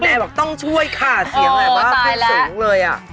คุณแอะบอกต้องช่วยค่ะเสียงอะไรบ้างแค่สูงเลยอะอ่อตายละ